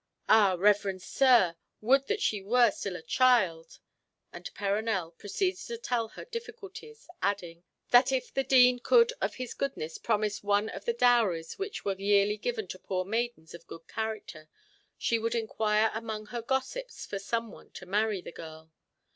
"Ah, reverend sir, would that she were still a child—" and Perronel proceeded to tell her difficulties, adding, that if the Dean could of his goodness promise one of the dowries which were yearly given to poor maidens of good character, she would inquire among her gossips for some one to marry the girl.